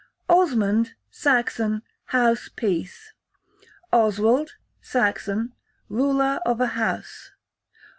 Osmund, Saxon, house peace. Oswald, Saxon, ruler of a house.